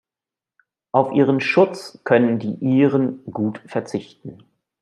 Auf Ihren Schutz können die Iren gut verzichten.